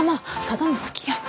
ただのつきあい。